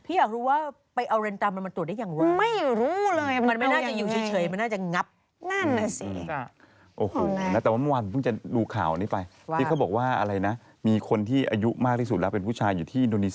อยากรู้ว่าไปเอาเรนตามมันมาตรวจได้อย่างไร